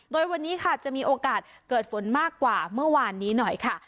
โดยวันนี้ค่ะจะมีโอกาสเกิดฝนมากกว่าเมื่อวานนี้หน่อยค่ะ